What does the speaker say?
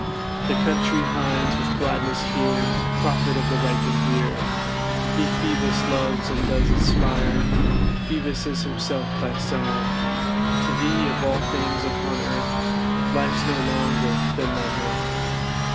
Thee country hinds with gladness hear, Prophet of the ripened year! Thee Phoebus loves, and does inspire; Phoebus is himself thy sire. To thee, of all things upon Earth, Life's no longer than thy mirth.